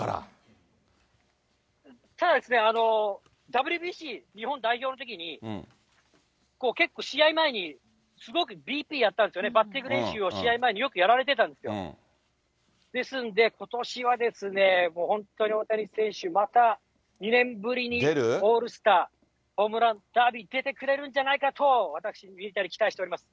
ただですね、ＷＢＣ日本代表のときに、結構、試合前にすごくＢＴやったんですよね、バッティング練習を試合前によくやられてたんですよ、ですんで、ことしはですね、もう本当に大谷選手、また２年ぶりにオールスター、ホームランダービー出てくれるんじゃないかと、私、ミニタニ期待しております。